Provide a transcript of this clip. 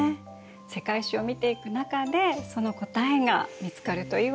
世界史を見ていく中でその答えが見つかるといいわよね。